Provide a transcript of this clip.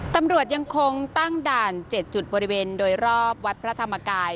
ตำรวจยังคงตั้งด่าน๗จุดบริเวณโดยรอบวัดพระธรรมกาย